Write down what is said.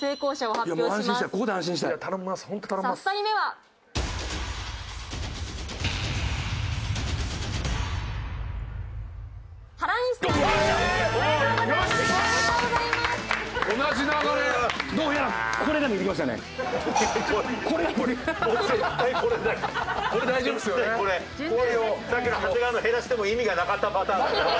さっきの長谷川の減らしても意味がなかったパターンだよな。